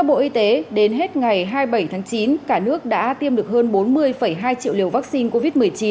bộ y tế đến hết ngày hai mươi bảy tháng chín cả nước đã tiêm được hơn bốn mươi hai triệu liều vaccine covid một mươi chín